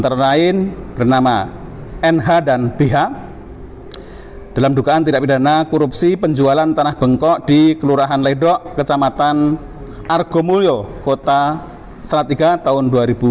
dalam dugaan tidak pidana korupsi penjualan tanah bengkok di kelurahan ledok kecamatan argomulyo kota salatiga tahun dua ribu dua puluh tiga